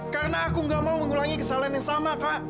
karena aku nggak mau mengulangi kesalahan yang sama kak